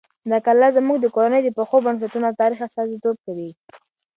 دا کلا زموږ د کورنۍ د پخو بنسټونو او تاریخ استازیتوب کوي.